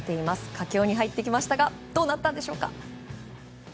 佳境に入ってきましたがどうなったのでしょうか。